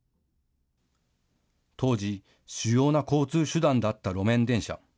当時、主要な交通手段だった路面電車。